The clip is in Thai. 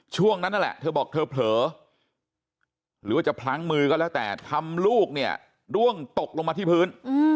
ช่วงนั้นนั่นแหละเธอบอกเธอเผลอหรือว่าจะพลั้งมือก็แล้วแต่ทำลูกเนี่ยร่วงตกลงมาที่พื้น